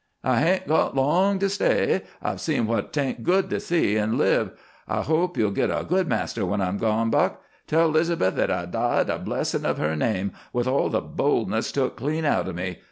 "I hain't got long to stay. I've seen what 't ain't good to see, an' live. I hope ye'll git a good master when I'm gone, Buck. Tell 'Liz'beth that I died a blessin' of her name, with all the boldness took clean out of me.